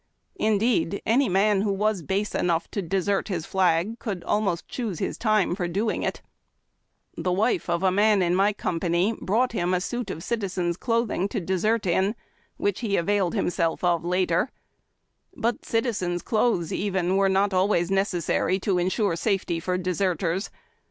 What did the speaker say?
Indeed, any man who was base enough to desert his flasc could almost choose his time for doing it. The wife of a man in my own company brought him a suit of citizen's clothing to .desert in, which he availed himself of later ; but citizen's clothes, even, were not always necessary to ensure safety for deserters.